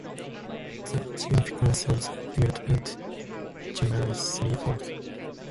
The significance of the development of gymel is three-fold.